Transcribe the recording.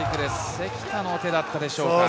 関田の手だったでしょうか。